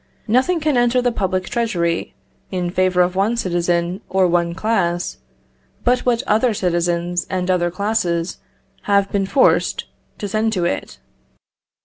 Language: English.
Nothing can enter the public treasury, in favour of one citizen or one class, but what other citizens and other classes have been forced to send to it.